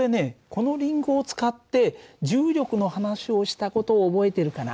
このりんごを使って重力の話をした事を覚えてるかな？